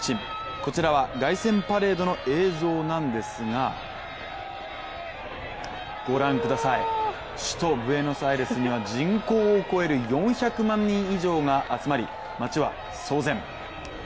こちらは凱旋パレードの映像なんですが御覧ください、首都ブエノスアイレスには人口を超える４００万人以上が集まり、街は騒然。